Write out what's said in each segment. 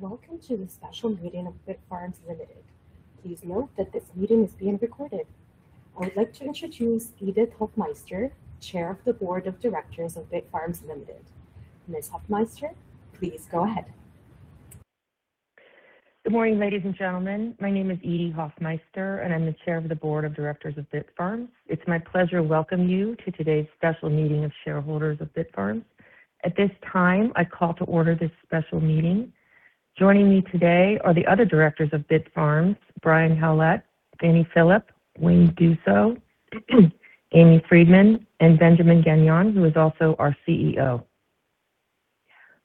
Welcome to the special meeting of Bitfarms Ltd. Please note that this meeting is being recorded. I would like to introduce Edie Hofmeister, Chair of the Board of Directors of Bitfarms Ltd. Ms. Hofmeister, please go ahead. Good morning, ladies and gentlemen. My name is Edie Hofmeister, and I'm the Chair of the Board of Directors of Bitfarms. It's my pleasure to welcome you to today's special meeting of shareholders of Bitfarms. At this time, I call to order this special meeting. Joining me today are the other directors of Bitfarms, Brian Howlett, Fanny Philip, Wayne Duso, Amy Freedman, and Benjamin Gagnon, who is also our CEO.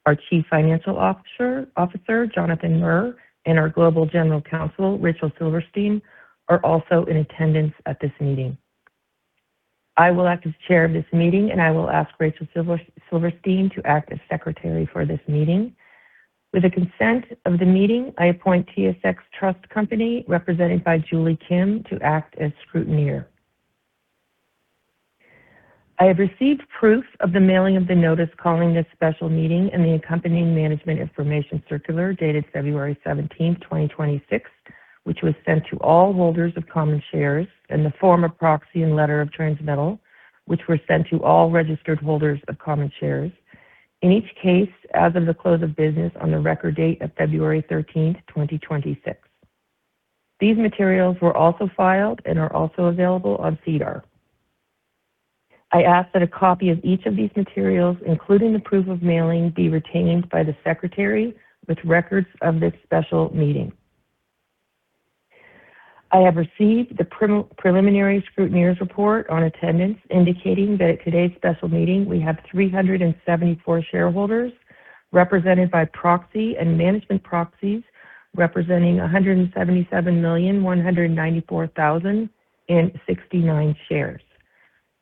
Our Chief Financial Officer, Jonathan Mir, and our Global General Counsel, Rachel Silverstein, are also in attendance at this meeting. I will act as Chair of this meeting, and I will ask Rachel Silverstein to act as Secretary for this meeting. With the consent of the meeting, I appoint TSX Trust Company, represented by Julie Kim, to act as scrutineer. I have received proof of the mailing of the notice calling this special meeting and the accompanying Management Information Circular dated February 17, 2026, which was sent to all holders of common shares in the form of proxy and letter of transmittal, which were sent to all registered holders of common shares. In each case, as of the close of business on the record date of February 13, 2026. These materials were also filed and are also available on SEDAR. I ask that a copy of each of these materials, including the proof of mailing, be retained by the Secretary with records of this special meeting. I have received the preliminary scrutineer's report on attendance, indicating that at today's special meeting we have 374 shareholders represented by proxy and management proxies representing 177,194,069 shares.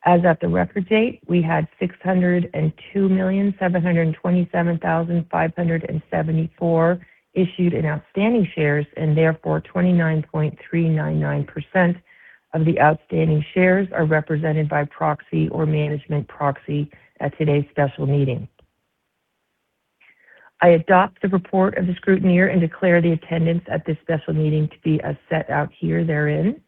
As at the record date, we had 602,727,574 issued and outstanding shares, and therefore 29.399% of the outstanding shares are represented by proxy or management proxy at today's special meeting. I adopt the report of the scrutineer and declare the attendance at this special meeting to be as set out herein.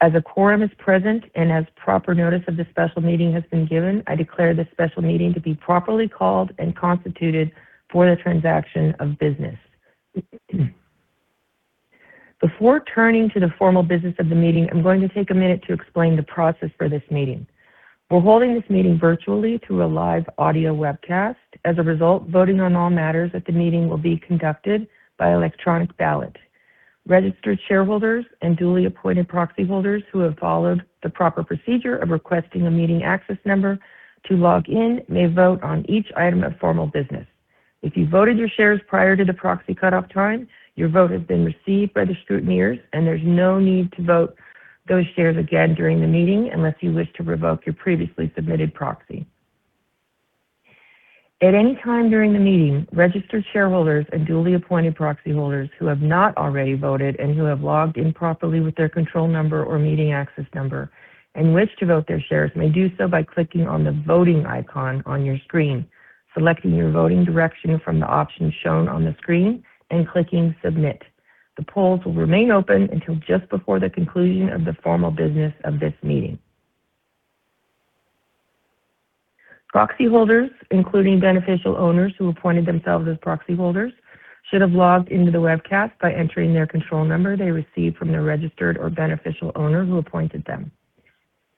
As a quorum is present and as proper notice of this special meeting has been given, I declare this special meeting to be properly called and constituted for the transaction of business. Before turning to the formal business of the meeting, I'm going to take a minute to explain the process for this meeting. We're holding this meeting virtually through a live audio webcast. As a result, voting on all matters at the meeting will be conducted by electronic ballot. Registered shareholders and duly appointed proxy holders who have followed the proper procedure of requesting a meeting access number to log in may vote on each item of formal business. If you voted your shares prior to the proxy cutoff time, your vote has been received by the scrutineers, and there's no need to vote those shares again during the meeting unless you wish to revoke your previously submitted proxy. At any time during the meeting, registered shareholders and duly appointed proxy holders who have not already voted and who have logged in properly with their control number or meeting access number and wish to vote their shares may do so by clicking on the voting icon on your screen, selecting your voting direction from the options shown on the screen, and clicking submit. The polls will remain open until just before the conclusion of the formal business of this meeting. Proxy holders, including beneficial owners who appointed themselves as proxy holders, should have logged into the webcast by entering their control number they received from the registered or beneficial owner who appointed them.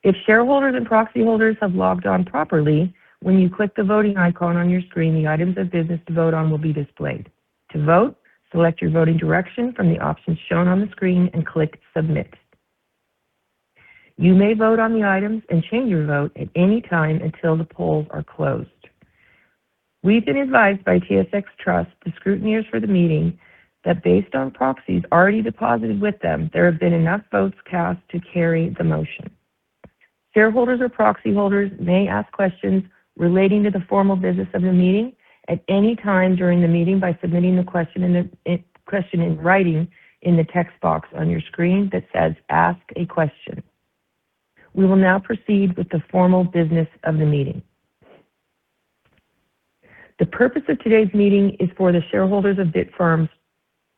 If shareholders and proxy holders have logged on properly, when you click the voting icon on your screen, the items of business to vote on will be displayed. To vote, select your voting direction from the options shown on the screen and click Submit. You may vote on the items and change your vote at any time until the polls are closed. We've been advised by TSX Trust, the scrutineers for the meeting, that based on proxies already deposited with them, there have been enough votes cast to carry the motion. Shareholders or proxy holders may ask questions relating to the formal business of the meeting at any time during the meeting by submitting the question in writing in the text box on your screen that says, "Ask a question." We will now proceed with the formal business of the meeting. The purpose of today's meeting is for the shareholders of Bitfarms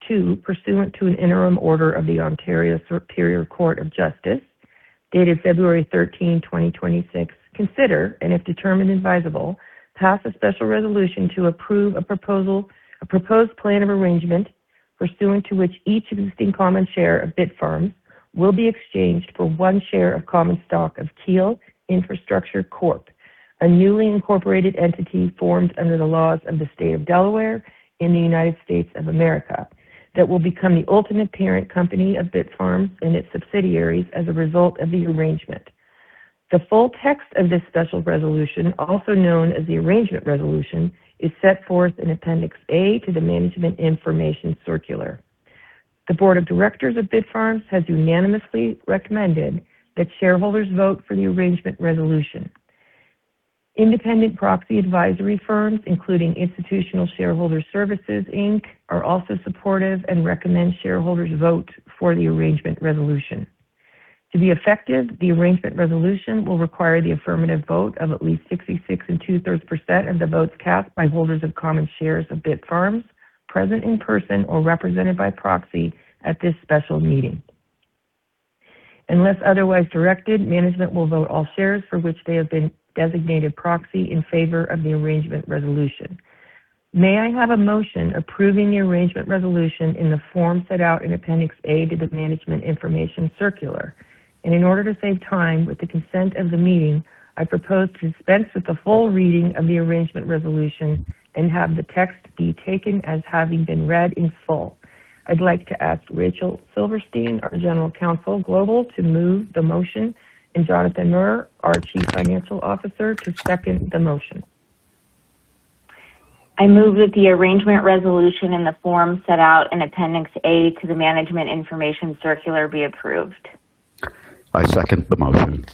to, pursuant to an interim order of the Ontario Superior Court of Justice dated February 13, 2026, consider, and if determined advisable, pass a special resolution to approve a proposal, a proposed plan of arrangement pursuant to which each existing common share of Bitfarms will be exchanged for one share of common stock of Keel Infrastructure Corp, a newly incorporated entity formed under the laws of the State of Delaware in the United States of America that will become the ultimate parent company of Bitfarms and its subsidiaries as a result of the arrangement. The full text of this special resolution, also known as the Arrangement Resolution, is set forth in Appendix A to the Management Information Circular. The Board of Directors of Bitfarms has unanimously recommended that shareholders vote for the Arrangement Resolution. Independent proxy advisory firms, including Institutional Shareholder Services Inc., are also supportive and recommend shareholders vote for the Arrangement Resolution. To be effective, the Arrangement Resolution will require the affirmative vote of at least 66 2/3% of the votes cast by holders of common shares of Bitfarms present in person or represented by proxy at this special meeting. Unless otherwise directed, management will vote all shares for which they have been designated proxy in favor of the Arrangement Resolution. May I have a motion approving the Arrangement Resolution in the form set out in Appendix A to the Management Information Circular? In order to save time, with the consent of the meeting, I propose to dispense with the full reading of the Arrangement Resolution and have the text be taken as having been read in full. I'd like to ask Rachel Silverstein, our General Counsel, Global, to move the motion, and Jonathan Mir, our Chief Financial Officer, to second the motion. I move that the arrangement resolution in the form set out in Appendix A to the Management Information Circular be approved. I second the motion.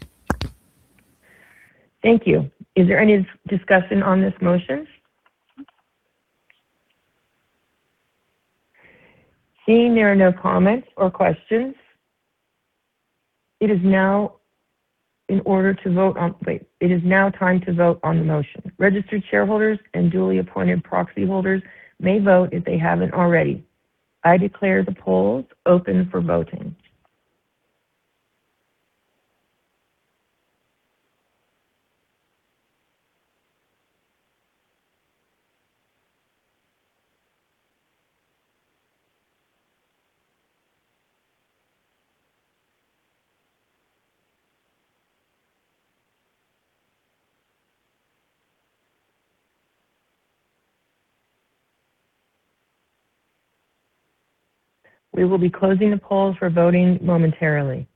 Thank you. Is there any discussion on this motion? Seeing there are no comments or questions, it is now time to vote on the motion. Registered shareholders and duly appointed proxy holders may vote if they haven't already. I declare the polls open for voting. We will be closing the polls for voting momentarily.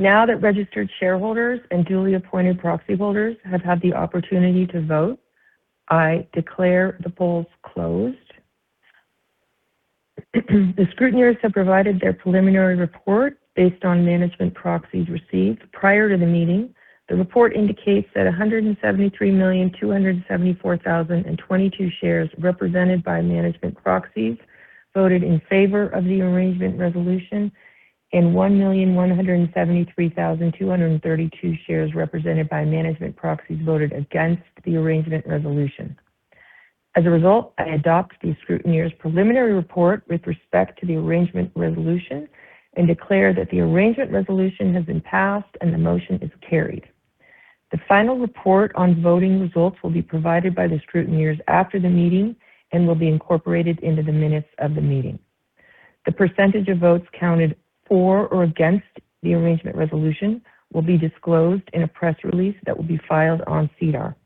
Now that registered shareholders and duly appointed proxy holders have had the opportunity to vote, I declare the polls closed. The scrutineers have provided their preliminary report based on management proxies received prior to the meeting. The report indicates that 173,274,022 shares represented by management proxies voted in favor of the Arrangement Resolution, and 1,173,232 shares represented by management proxies voted against the Arrangement Resolution. As a result, I adopt the scrutineers' preliminary report with respect to the Arrangement Resolution and declare that the Arrangement Resolution has been passed and the motion is carried. The final report on voting results will be provided by the scrutineers after the meeting and will be incorporated into the minutes of the meeting. The percentage of votes counted for or against the Arrangement Resolution will be disclosed in a press release that will be filed on SEDAR.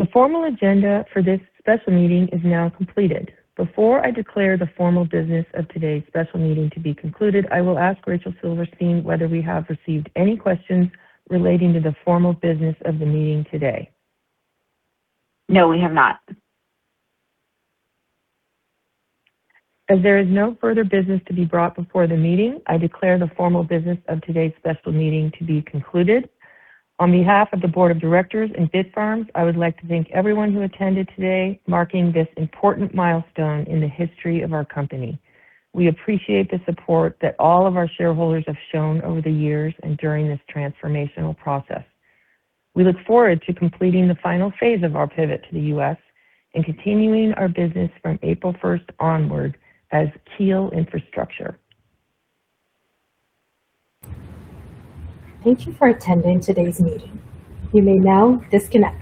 The formal agenda for this special meeting is now completed. Before I declare the formal business of today's special meeting to be concluded, I will ask Rachel Silverstein whether we have received any questions relating to the formal business of the meeting today. No, we have not. As there is no further business to be brought before the meeting, I declare the formal business of today's special meeting to be concluded. On behalf of the Board of Directors and Bitfarms, I would like to thank everyone who attended today, marking this important milestone in the history of our company. We appreciate the support that all of our shareholders have shown over the years and during this transformational process. We look forward to completing the final phase of our pivot to the U.S. and continuing our business from April 1 onward as Keel Infrastructure. Thank you for attending today's meeting. You may now disconnect.